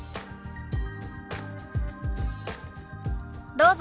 どうぞ。